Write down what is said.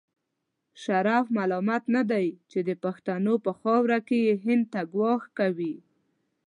مشرف ملامت نه دی چې د پښتنو په خاوره کې هند ته ګواښ کوي.